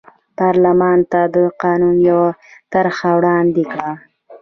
پارلمان ته د قانون یوه طرحه وړاندې کړه.